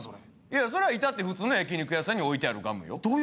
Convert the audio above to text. それはいたって普通の焼肉屋さんに置いてあるガムよ。